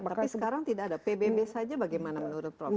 tapi sekarang tidak ada pbb saja bagaimana menurut prof